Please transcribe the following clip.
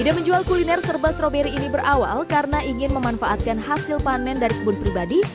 ide menjual kuliner serba stroberi ini berawal karena ingin memanfaatkan hasil panen dari kebun pribadi